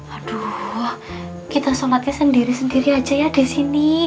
aduh kita sholatnya sendiri sendiri aja ya di sini